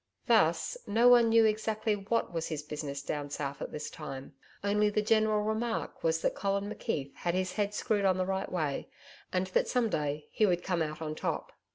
Thus, no one knew exactly what was his business down south at this time. Only the general remark was that Colin McKeith had his head screwed on the right way and that some day he would come out on top.